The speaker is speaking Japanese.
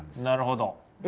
なるほど。